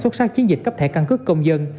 xuất sắc chiến dịch cấp thẻ căn cước công dân